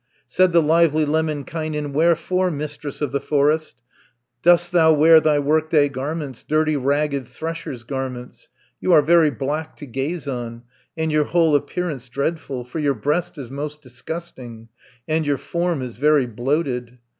Said the lively Lemminkainen, "Wherefore, Mistress of the Forest, Dost thou wear thy work day garments, Dirty ragged thresher's garments? You are very black to gaze on, And your whole appearance dreadful, 110 For your breast is most disgusting, And your form is very bloated.